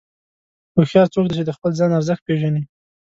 هوښیار څوک دی چې د خپل ځان ارزښت پېژني.